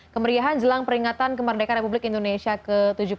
kemeriahan jelang peringatan kemerdekaan republik indonesia ke tujuh puluh tiga